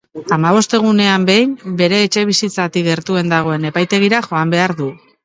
Hamabost egunean behin bere etxebizitzatik gertuen dagoen epaitegira joan behar du.